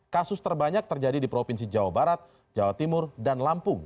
kasus terbanyak terjadi di provinsi jawa barat jawa timur dan lampung